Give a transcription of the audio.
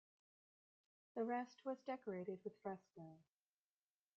The rest was decorated with frescos.